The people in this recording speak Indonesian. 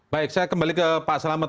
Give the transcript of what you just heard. baik saya kembali ke pak selamat